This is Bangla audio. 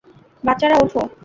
বাচ্চারা, ওঠো।